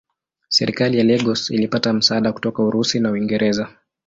Serikali ya Lagos ilipata msaada kutoka Urusi na Uingereza.